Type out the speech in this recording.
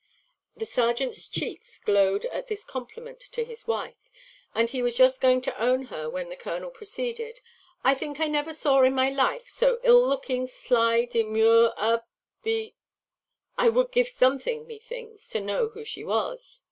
The serjeant's cheeks glowed at this compliment to his wife; and he was just going to own her when the colonel proceeded: "I think I never saw in my life so ill looking, sly, demure a b ; I would give something, methinks, to know who she was."